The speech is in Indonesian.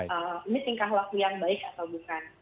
ini tingkah laku yang baik atau bukan